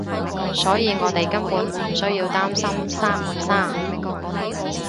所以我哋根本唔需要擔心生唔生